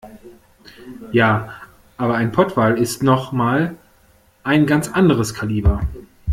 Ja, aber ein Pottwal ist noch mal ein ganz anderes Kaliber.